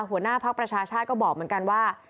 หัวหน้าภักดิ์ประชาชาติก็บอกเหมือนกันว่า